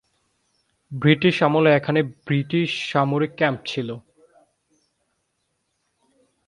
British আমলে এখানে একটি ব্রিটিশ সামরিক ক্যাম্প ছিল।